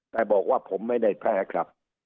แต่บอกว่าผมไม่ได้แพ้ครับ